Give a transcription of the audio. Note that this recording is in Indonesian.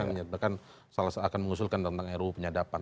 yang menyebutkan akan mengusulkan tentang ru penyadapan